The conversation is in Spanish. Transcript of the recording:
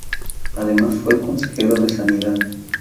Además, fue Consejero de Sanidad.